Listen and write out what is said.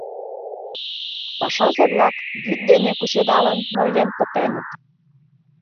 Пашазе-влак вӱд дене кучедалын ноен пытеныт.